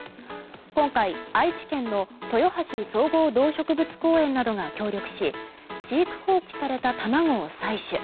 今回、愛知県の豊橋総合動植物公園などが協力し飼育放棄された卵を採取。